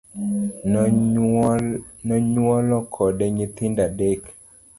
Nonyuolo kode nyithindo adek.